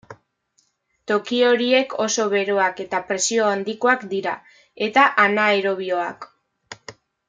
Toki horiek oso beroak eta presio handikoak dira, eta anaerobioak.